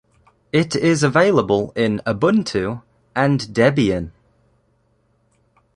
It is available in Ubuntu and Debian.